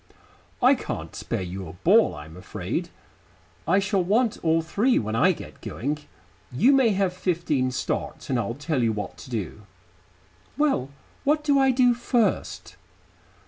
"I can't spare you a ball, I'm afraid. I shall want all three when I get going. You may have fifteen start, and I'll tell you what to do." "Well, what do I do first?"